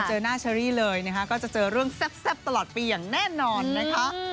เจอหน้าเชอรี่เลยนะคะก็จะเจอเรื่องแซ่บตลอดปีอย่างแน่นอนนะคะ